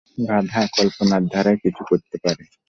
গাধা, কল্পনার ধারায় কিছু করতে পারে।